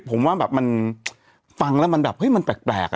ผมว่ามันฟังแล้วเห้ยมันแปลก